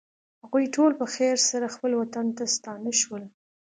هغوی ټول په خیر سره خپل وطن ته ستانه شول.